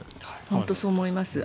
本当にそう思います。